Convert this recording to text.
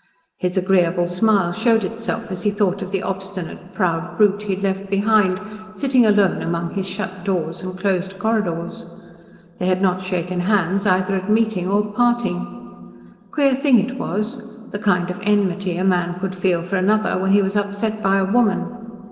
His agreeable smile showed itself as he thought of the obstinate, proud brute he had left behind, sitting alone among his shut doors and closed corridors. They had not shaken hands either at meeting or parting. Queer thing it was the kind of enmity a man could feel for another when he was upset by a woman.